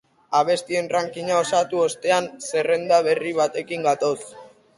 Abestien rankinga osatu ostean, zerrenda berri batekin gatoz.